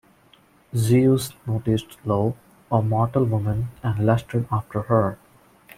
Zeus noticed Io, a mortal woman, and lusted after her.